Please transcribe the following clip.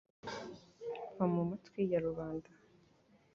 va mu matwi yaru banda